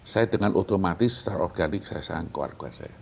saya dengan otomatis secara organik saya sayang keluarga saya